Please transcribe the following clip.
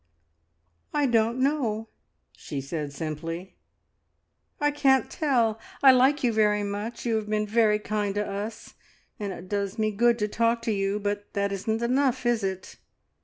"I don't know," she said simply. "I can't tell. I like you very much; you have been very kind to us, and it does me good to talk to you, but that isn't enough, is it?